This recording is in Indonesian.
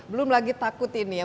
belum lagi takut ini ya